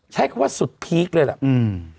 ใช้คำว่าสุดพีคเลยแหละอืม